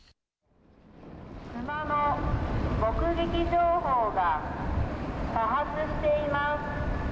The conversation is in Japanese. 熊の目撃情報が多発しています。